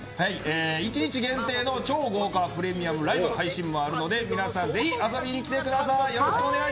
１日限定の超豪華プレミアムライブ配信もあるので皆さん、ぜひ遊びに来てください。